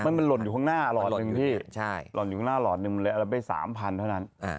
มันหล่นอยู่ข้างหน้าหลอดหนึ่งพี่หล่นอยู่ข้างหน้าหลอดหนึ่งมันเลยเอาไป๓๐๐เท่านั้น